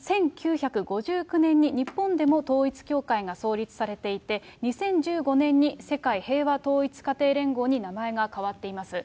１９５９年に日本でも統一教会が創立されていて、２０１５年に世界平和統一家庭連合に名前が変わっています。